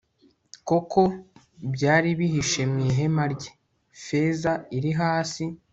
koko byari bihishe mu ihema rye, feza iri hasi